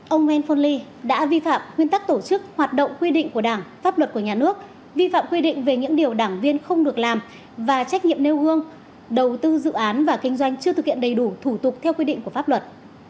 ông ngel ly đã vi phạm nguyên tắc tổ chức hoạt động quy định của đảng pháp luật của nhà nước vi phạm quy định về những điều đảng viên không được làm và trách nhiệm nêu gương đầu tư dự án và kinh doanh chưa thực hiện đầy đủ thủ tục theo quy định của pháp luật